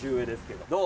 どう？